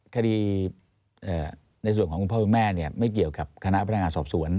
คดีในส่วนของคุณพ่อคุณแม่ไม่เกี่ยวกับคณะพนักงานสอบสวน